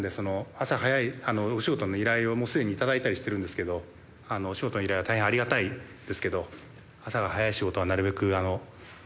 朝早いお仕事の依頼をすでに頂いたりしてるんですけどお仕事の依頼は大変ありがたいんですけど。